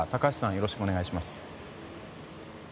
よろしくお願いします。